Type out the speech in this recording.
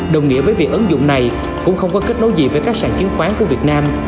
đồng nghĩa với việc ấn dụng này cũng không có kết nối gì với các sản chiến khoán của việt nam